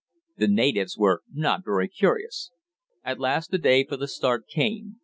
The natives were not very curious. At last the day for the start came.